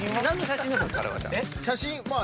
写真まあ